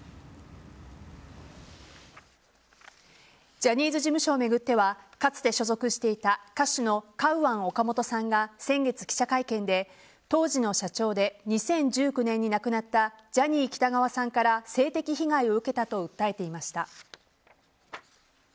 ジャニーズ事務所を巡ってはかつて所属していた歌手のカウアン・オカモトさんが先月、記者会見で当時の社長で２０１９年に亡くなったジャニー喜多川さんから性的被害を受けたと訴えていました。